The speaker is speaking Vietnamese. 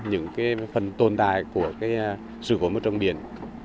những phần tồn tại của sự cố môi trường biển